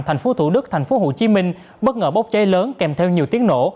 thành phố thủ đức thành phố hồ chí minh bất ngờ bốc cháy lớn kèm theo nhiều tiếng nổ